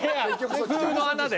普通の穴で？